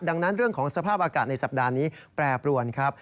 ดังนั้นเรื่องของสภาพอากาศในสัปดาห์นี้แปรปรวนครับ